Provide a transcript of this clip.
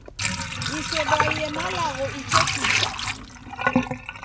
Disedwaiye malagho ichokisha.